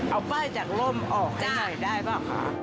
เอาป้ายจากร่มออกให้หน่อยได้เปล่าค่ะ